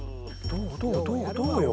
どう？